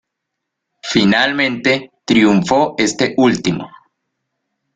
Finalmente, triunfó este último.